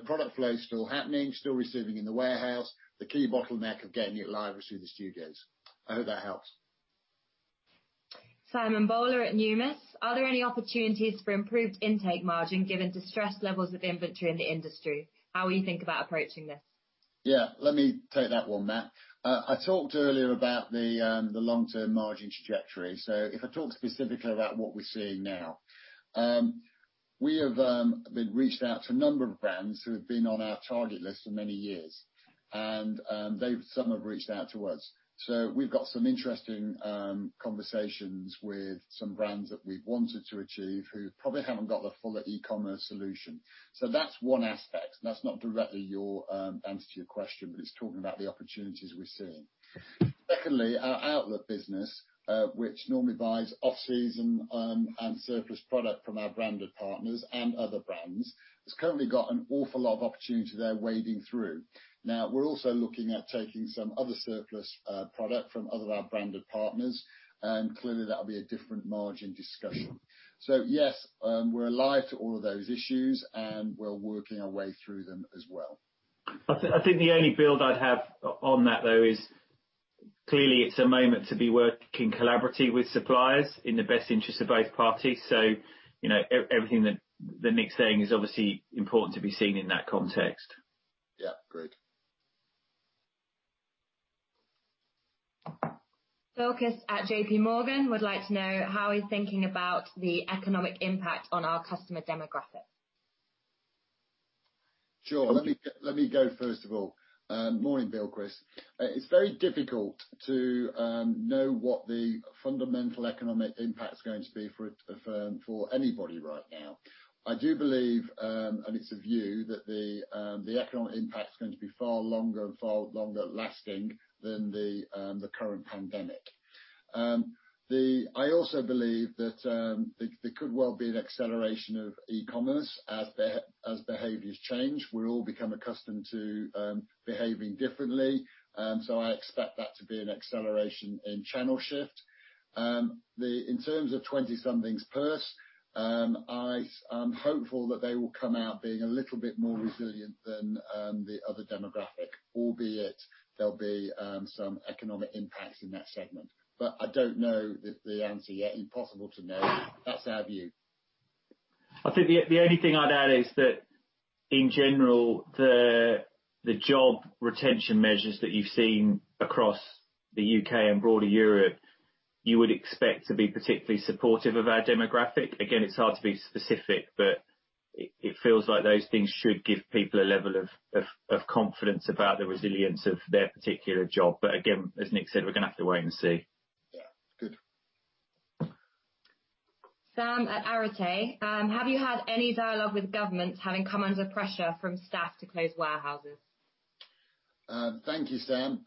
Product flow is still happening, still receiving in the warehouse. The key bottleneck of getting it live is through the studios. I hope that helps. Simon Bowler at Numis. Are there any opportunities for improved intake margin given the stress levels of inventory in the industry? How are you think about approaching this? Yeah. Let me take that one, Matt. I talked earlier about the long-term margin trajectory, so if I talk specifically about what we're seeing now. We have been reaching out to a number of brands who have been on our target list for many years, and some have reached out to us. We've got some interesting conversations with some brands that we've wanted to achieve who probably haven't got the full e-commerce solution. That's one aspect, and that's not directly your answer to your question, but it's talking about the opportunities we're seeing. Secondly, our outlet business, which normally buys off-season and surplus product from our branded partners and other brands, has currently got an awful lot of opportunity there wading through. Now, we're also looking at taking some other surplus product from other of our branded partners, and clearly that'll be a different margin discussion. Yes, we're alive to all of those issues and we're working our way through them as well. I think the only build I'd have on that though is, clearly, it's a moment to be working collaboratively with suppliers in the best interest of both parties. Everything that Nick's saying is obviously important to be seen in that context. Yeah, great. Bilquis at JPMorgan would like to know how he's thinking about the economic impact on our customer demographics. Sure. Let me go first of all. Morning, Bilquis. It's very difficult to know what the fundamental economic impact is going to be for a firm, for anybody right now. I do believe, and it's a view, that the economic impact is going to be far longer and far longer lasting than the current pandemic. I also believe that there could well be an acceleration of e-commerce as behaviors change. We'll all become accustomed to behaving differently. I expect that to be an acceleration in channel shift. In terms of twenty-somethings purse, I am hopeful that they will come out being a little bit more resilient than the other demographic. Albeit, there'll be some economic impacts in that segment. I don't know the answer yet. Impossible to know. That's our view. I think the only thing I'd add is that in general, the job retention measures that you've seen across the U.K. and broader Europe, you would expect to be particularly supportive of our demographic. Again, it's hard to be specific, but it feels like those things should give people a level of confidence about the resilience of their particular job. Again, as Nick said, we're going to have to wait and see. Yeah. Good. Sam at Arete. Have you had any dialogue with governments having come under pressure from staff to close warehouses? Thank you, Sam.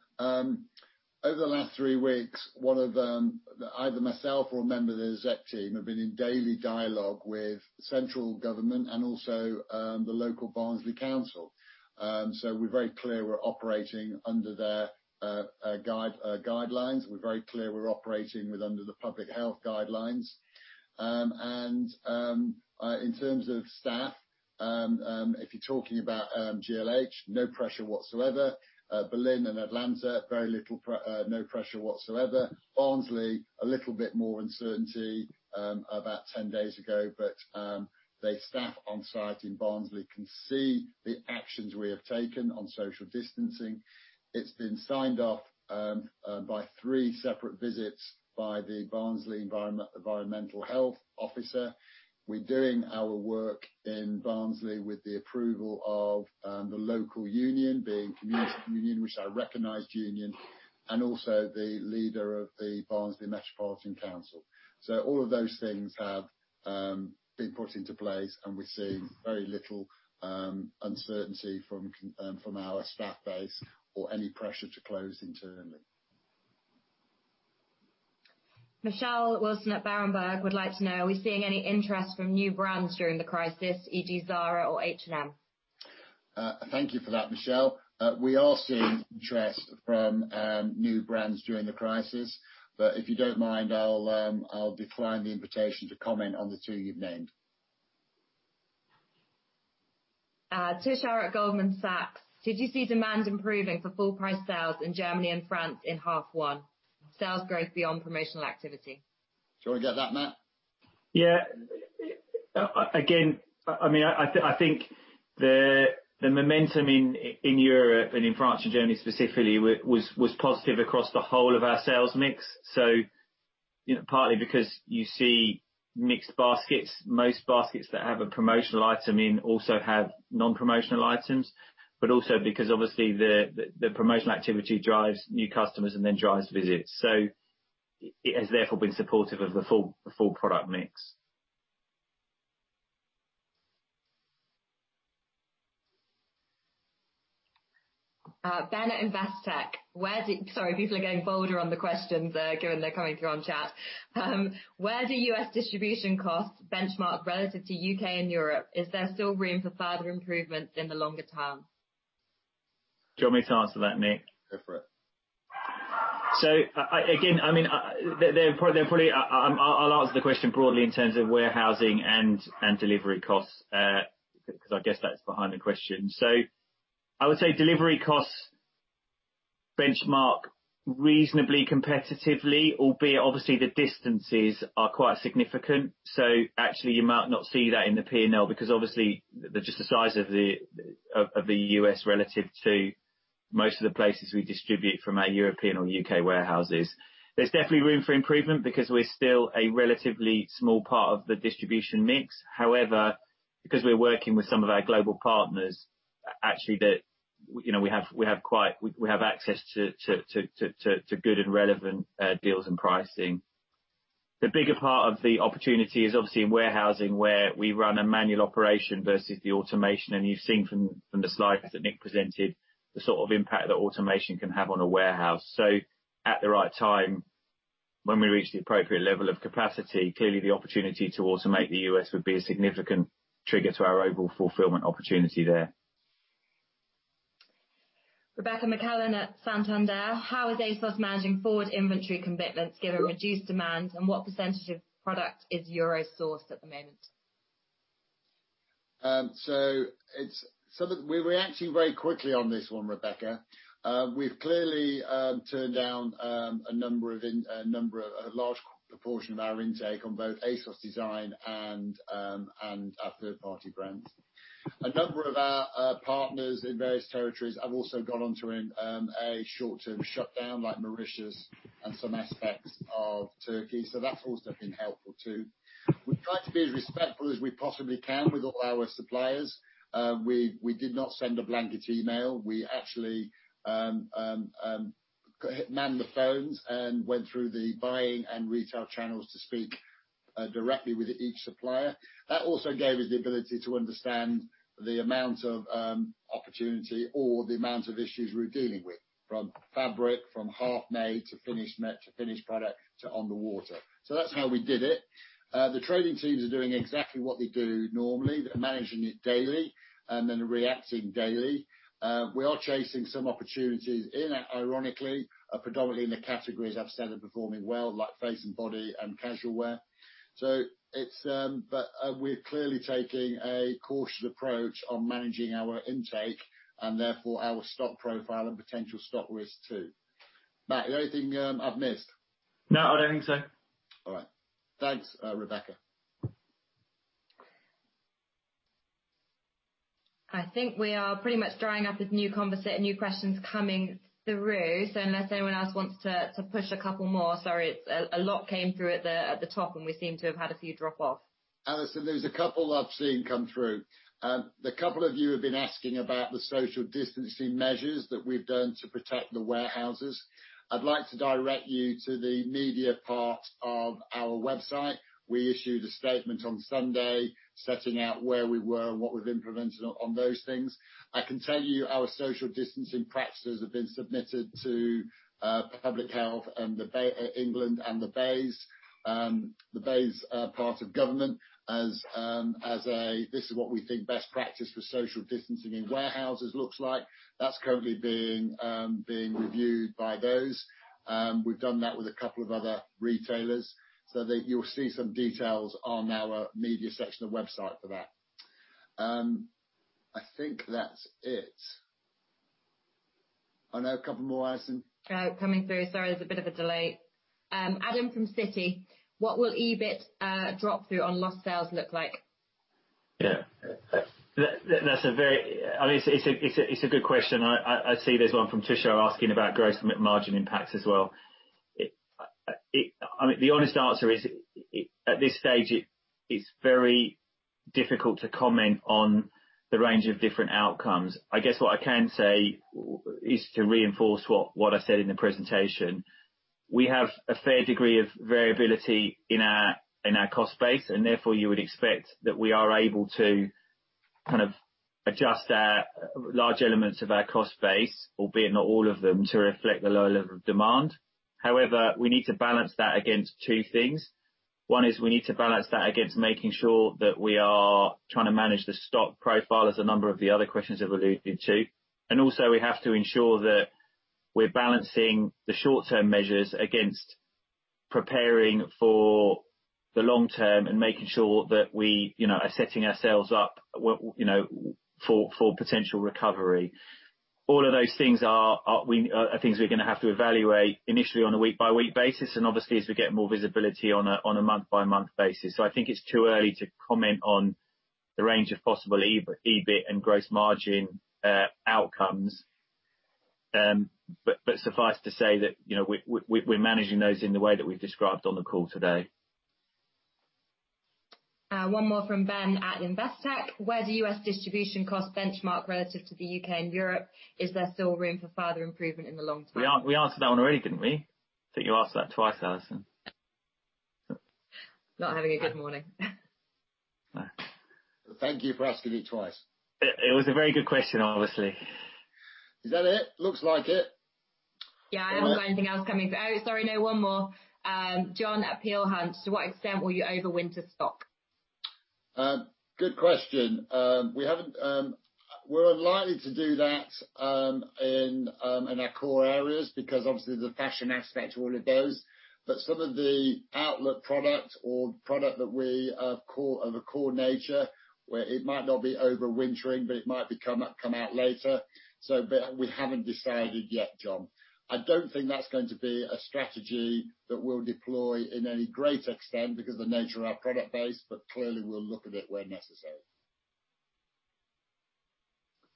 Over the last three weeks, either myself or a member of the exec team have been in daily dialogue with central government and also the local Barnsley Council. We're very clear we're operating under their guidelines. We're very clear we're operating under the public health guidelines. In terms of staff, if you're talking about GLH, no pressure whatsoever. Berlin and Atlanta, no pressure whatsoever. Barnsley, a little bit more uncertainty about 10 days ago, but staff on site in Barnsley can see the actions we have taken on social distancing. It's been signed off by three separate visits by the Barnsley Environmental Health Officer. We're doing our work in Barnsley with the approval of the local union, being Community Union, which are recognized union, and also the leader of the Barnsley Metropolitan Council. All of those things have been put into place, and we're seeing very little uncertainty from our staff base or any pressure to close internally. Michelle Wilson at Berenberg would like to know, are we seeing any interest from new brands during the crisis, e.g., Zara or H&M? Thank you for that, Michelle. We are seeing interest from new brands during the crisis. If you don't mind, I'll decline the invitation to comment on the two you've named. Tishara at Goldman Sachs. Did you see demand improving for full price sales in Germany and France in half one? Sales growth beyond promotional activity. Do you want me to get that, Matt? Again, I think the momentum in Europe and in France and Germany specifically, was positive across the whole of our sales mix. Partly because you see mixed baskets. Most baskets that have a promotional item in also have non-promotional items, also because obviously the promotional activity drives new customers and then drives visits. It has therefore been supportive of the full product mix. Ben at Investec. Sorry, people are getting bolder on the questions, given they're coming through on chat. Where do U.S. distribution costs benchmark relative to U.K. and Europe? Is there still room for further improvements in the longer term? Do you want me to answer that, Nick? Go for it. Again, I'll answer the question broadly in terms of warehousing and delivery costs, because I guess that's behind the question. I would say delivery costs benchmark reasonably competitively, albeit obviously the distances are quite significant. Actually you might not see that in the P&L because obviously just the size of the U.S. relative to most of the places we distribute from our European or U.K. warehouses. There's definitely room for improvement because we're still a relatively small part of the distribution mix. However, because we're working with some of our global partners, actually we have access to good and relevant deals and pricing. The bigger part of the opportunity is obviously in warehousing, where we run a manual operation versus the automation, and you've seen from the slides that Nick presented, the sort of impact that automation can have on a warehouse. At the right time, when we reach the appropriate level of capacity, clearly the opportunity to automate the U.S. would be a significant trigger to our overall fulfillment opportunity there. Rebecca McClellan at Santander. How is ASOS managing forward inventory commitments given reduced demand, and what percentage of product is euro sourced at the moment? We're reacting very quickly on this one, Rebecca. We've clearly turned down a large proportion of our intake on both ASOS Design and our third-party brands. A number of our partners in various territories have also gone on to a short-term shutdown, like Mauritius and some aspects of Turkey, so that's also been helpful, too. We've tried to be as respectful as we possibly can with all our suppliers. We did not send a blanket email. We actually manned the phones and went through the buying and retail channels to speak directly with each supplier. That also gave us the ability to understand the amount of opportunity or the amount of issues we were dealing with, from fabric, from half-made to finished product to on the water. That's how we did it. The trading teams are doing exactly what they do normally. They're managing it daily and then reacting daily. We are chasing some opportunities in, ironically, predominantly in the categories I've said are performing well, like face and body and casual wear. We're clearly taking a cautious approach on managing our intake, and therefore our stock profile and potential stock risk, too. Matt, is there anything I've missed? No, I don't think so. All right. Thanks, Rebecca. I think we are pretty much drying up with new questions coming through, so unless anyone else wants to push a couple more. Sorry, a lot came through at the top, and we seem to have had a few drop off. Alison, there's a couple I've seen come through. The couple of you who have been asking about the social distancing measures that we've done to protect the warehouses, I'd like to direct you to the media part of our website. We issued a statement on Sunday setting out where we were and what we've implemented on those things. I can tell you our social distancing practices have been submitted to public health and the BEIS part of government as a, this is what we think best practice for social distancing in warehouses looks like. That's currently being reviewed by those. We've done that with a couple of other retailers, so you'll see some details on our media section of the website for that. I think that's it. I know a couple more, Alison. Coming through. Sorry, there's a bit of a delay. Adam from Citi. What will EBIT drop through on lost sales look like? Yeah. It's a good question. I see there's one from Trisha asking about gross margin impacts as well. The honest answer is, at this stage, it's very difficult to comment on the range of different outcomes. I guess what I can say is to reinforce what I said in the presentation. We have a fair degree of variability in our cost base, and therefore, you would expect that we are able to adjust large elements of our cost base, albeit not all of them, to reflect the lower level of demand. However, we need to balance that against two things. One is we need to balance that against making sure that we are trying to manage the stock profile, as a number of the other questions have alluded to. Also, we have to ensure that we're balancing the short-term measures against preparing for the long term and making sure that we are setting ourselves up for potential recovery. All of those things are things we're going to have to evaluate initially on a week-by-week basis, and obviously, as we get more visibility, on a month-by-month basis. I think it's too early to comment on the range of possible EBIT and gross margin outcomes. Suffice to say that we're managing those in the way that we've described on the call today. One more from Ben at Investec. Where do U.S. distribution costs benchmark relative to the U.K. and Europe? Is there still room for further improvement in the long term? We answered that one already, didn't we? I think you asked that twice, Alison. Not having a good morning. Thank you for asking it twice. It was a very good question, obviously. Is that it? Looks like it. Yeah, I don't have anything else coming through. Oh, sorry, no, one more. John at Peel Hunt. To what extent will you overwinter stock? Good question. We're likely to do that in our core areas because obviously there's a fashion aspect to all of those. Some of the outlet product or product that we of a core nature, where it might not be overwintering, but it might come out later, but we haven't decided yet, John. I don't think that's going to be a strategy that we'll deploy in any great extent because of the nature of our product base. Clearly, we'll look at it where necessary.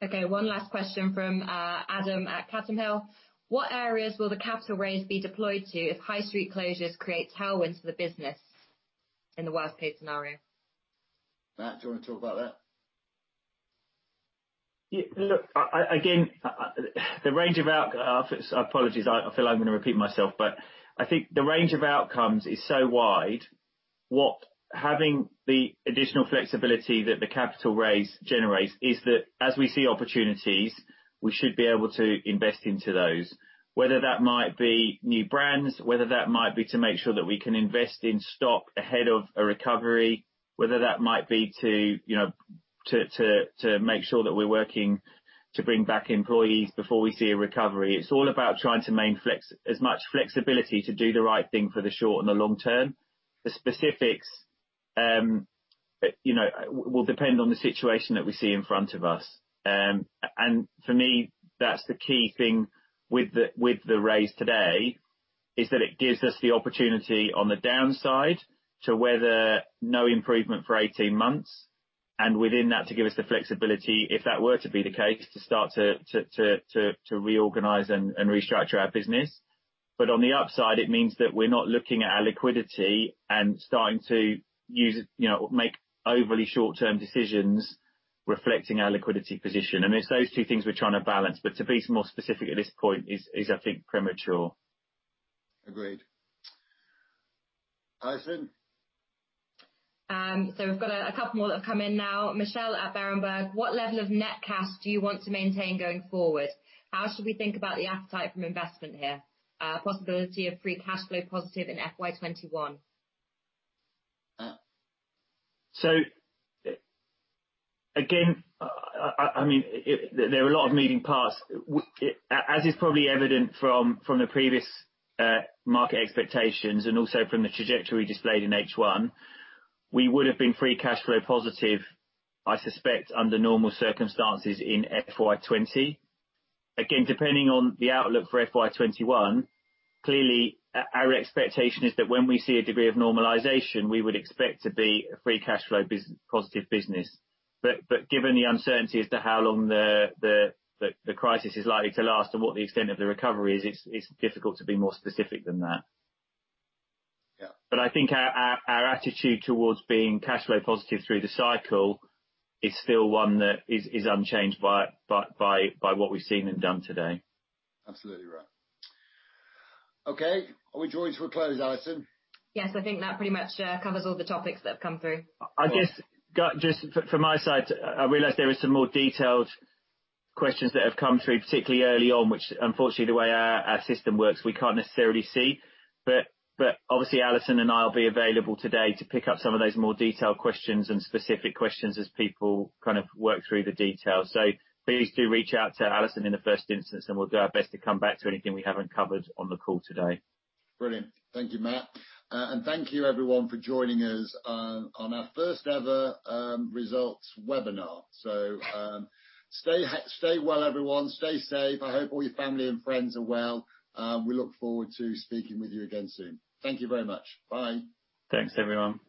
Okay, one last question from Adam at Catsham Hill. What areas will the capital raise be deployed to if high street closures create tailwinds for the business in the worst-case scenario? Matt, do you want to talk about that? Look, again, I apologize. I feel I'm going to repeat myself. I think the range of outcomes is so wide. What having the additional flexibility that the capital raise generates is that as we see opportunities, we should be able to invest into those, whether that might be new brands, whether that might be to make sure that we can invest in stock ahead of a recovery, whether that might be to make sure that we're working to bring back employees before we see a recovery. It's all about trying to maintain as much flexibility to do the right thing for the short and the long term. The specifics will depend on the situation that we see in front of us. For me, that's the key thing with the raise today, is that it gives us the opportunity on the downside to weather no improvement for 18 months, and within that, to give us the flexibility, if that were to be the case, to start to reorganize and restructure our business. On the upside, it means that we're not looking at our liquidity and starting to make overly short-term decisions reflecting our liquidity position. It's those two things we're trying to balance. To be more specific at this point is, I think, premature. Agreed. Alison? We've got a couple more that have come in now. Michelle at Berenberg. "What level of net cash do you want to maintain going forward? How should we think about the appetite from investment here? Possibility of free cash flow positive in FY 2021? Again, there are a lot of meeting paths. As is probably evident from the previous market expectations and also from the trajectory displayed in H1, we would have been free cash flow positive, I suspect, under normal circumstances in FY 2020. Again, depending on the outlook for FY 2021, clearly our expectation is that when we see a degree of normalization, we would expect to be a free cash flow positive business. Given the uncertainty as to how long the crisis is likely to last and what the extent of the recovery is, it's difficult to be more specific than that. Yeah. I think our attitude towards being cash flow positive through the cycle is still one that is unchanged by what we've seen and done today. Absolutely right. Okay. Are we joined for a close, Alison? Yes, I think that pretty much covers all the topics that have come through. Just from my side, I realize there are some more detailed questions that have come through, particularly early on, which unfortunately, the way our system works, we can't necessarily see. Obviously, Alison and I will be available today to pick up some of those more detailed questions and specific questions as people work through the details. Please do reach out to Alison in the first instance, and we'll do our best to come back to anything we haven't covered on the call today. Brilliant. Thank you, Matt. Thank you everyone for joining us on our first ever results webinar. Stay well, everyone. Stay safe. I hope all your family and friends are well. We look forward to speaking with you again soon. Thank you very much. Bye. Thanks, everyone.